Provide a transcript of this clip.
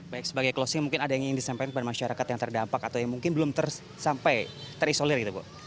baik sebagai closing mungkin ada yang ingin disampaikan kepada masyarakat yang terdampak atau yang mungkin belum sampai terisolir gitu bu